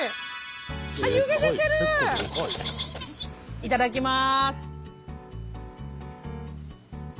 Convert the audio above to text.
いただきます。